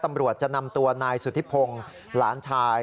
ตำรวจจะนำตัวนายสุธิพงศ์หลานชาย